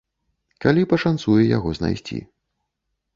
Калі пашанцуе яго знайсці.